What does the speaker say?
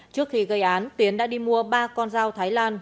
trước khi gây án tiến đã đi mua ba con dao thái lan